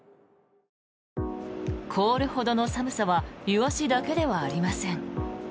凍るほどの寒さはイワシだけではありません。